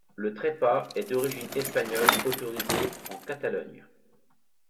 Le trepat est d’origine espagnole autorisé en Catalogne.